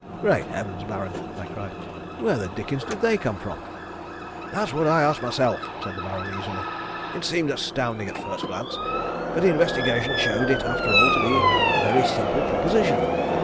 "Great Heavens, Baron," I cried. "Where the dickens did they come from?" "That's what I asked myself," said the Baron easily. "It seemed astounding at first glance, but investigation showed it after all to be a very simple proposition.